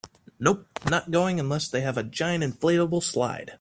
Nope, not going unless they have a giant inflatable slide.